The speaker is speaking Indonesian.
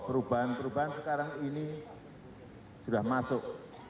perubahan perubahan sekarang ini sudah masuk